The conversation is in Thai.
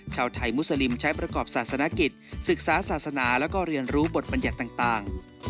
ชาวไทยมุสลิมใช้ประกอบศาสนกิจศึกษาศาสนาแล้วก็เรียนรู้บทบัญญัติต่าง